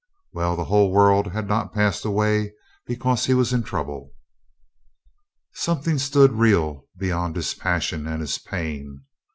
... Well. The whole world had not passed away because he was in trouble. Something stood real beyond his passion and his pain.